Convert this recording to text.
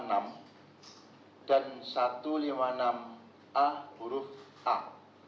kenapa enggak cak funguliti menyarankan untuk menerbangin p dua puluh satu